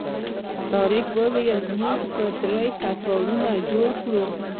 طارق وویل موږ به درې کتارونه جوړ کړو.